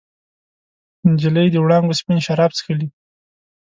نجلۍ د وړانګو سپین شراب چښلي